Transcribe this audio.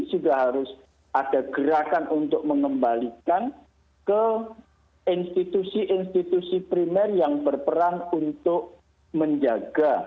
sudah harus ada gerakan untuk mengembalikan ke institusi institusi primer yang berperan untuk menjaga